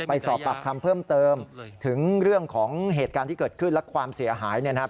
ไปสอบปากคำเพิ่มเติมถึงเรื่องของเหตุการณ์ที่เกิดขึ้นและความเสียหายเนี่ยนะครับ